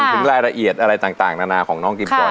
ถึงรายละเอียดอะไรต่างนานาของน้องกิมกอย